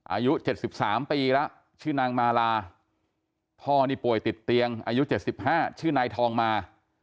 อายุ๗๓ปีแล้วชื่อนางมาลาพ่อนี่ป่วยติดเตียงอายุ๗๕ชื่อนายทองมา